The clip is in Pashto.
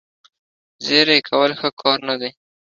زیړې کول ښه کار نه دی.